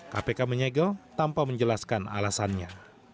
kpk menyegel tanpa menjelaskan alasannya